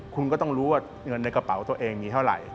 คุณก็ต้องรู้ว่าเงินในกระเป๋าตัวเองมีเท่าไหร่